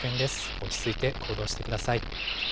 落ち着いて行動してください。